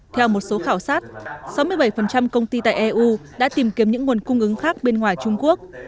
theo một số khảo sát sáu mươi bảy công ty tại eu đã tìm kiếm những nguồn cung ứng khác bên ngoài trung quốc